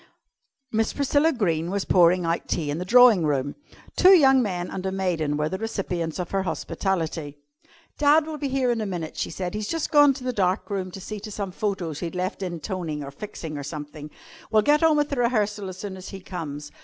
Miss Priscilla Greene was pouring out tea in the drawing room. Two young men and a maiden were the recipients of her hospitality. "Dad will be here in a minute," she said. "He's just gone to the dark room to see to some photos he'd left in toning or fixing, or something. We'll get on with the rehearsal as soon as he comes.